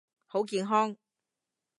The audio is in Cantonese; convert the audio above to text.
好健康！